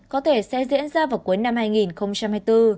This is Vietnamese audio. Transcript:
có thể sẽ diễn ra vào cuối năm hai nghìn hai mươi bốn